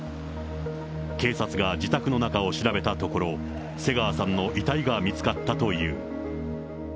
警察が自宅の中を調べたところ、瀬川さんの遺体が見つかったという。